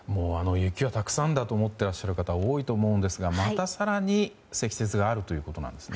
雪はたくさんだと思ってらっしゃる方も多いと思うんですがまた更に積雪があるということなんですね。